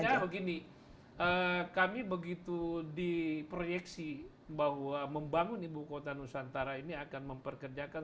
misalnya begini kami begitu diproyeksi bahwa membangun ibu kota nusantara ini akan memperkerjakan